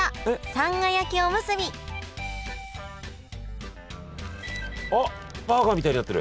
さんが焼きおむすびあっバーガーみたいになってる。